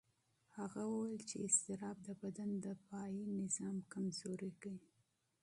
هغه وویل چې اضطراب د بدن دفاعي نظام کمزوي.